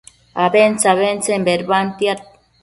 abentse-abentsen bedbantiad